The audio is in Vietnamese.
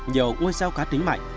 nhiều ngôi sao cá tính mạnh